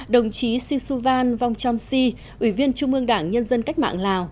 đồng chí si su van vong chom si ủy viên trung ương đảng nhân dân cách mạng lào